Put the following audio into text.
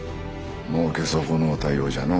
もうけ損のうたようじゃの。